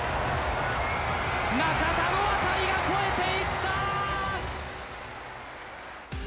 中田の当たりが越えていった！